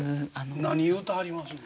何言うてはりますの。